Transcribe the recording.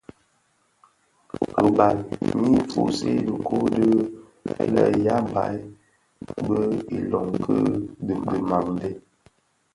Ribal Nyi fusii dhikuu di lenyambaï bi ilöň ki dhimandé.